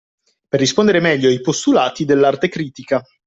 Per rispondere meglio ai postulati dell'arte critica